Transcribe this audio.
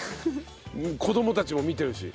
子どもたちも見てるし。